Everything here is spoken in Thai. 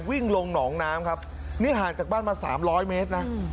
วิ่งลงหนองน้ำครับนี่ห่างจากบ้านมา๓๐๐เมตรนะ